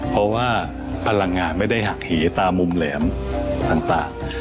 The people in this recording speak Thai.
เพราะว่าพลังงานไม่ได้หักเหตามมุมแหลมต่าง